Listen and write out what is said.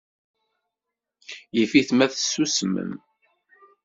Yif-it ma tsusmem.